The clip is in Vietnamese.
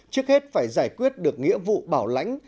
trước hết phải giải quyết được nghĩa vụ bảo lãnh